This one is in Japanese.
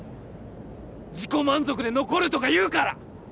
自己満足で残るとか言うから！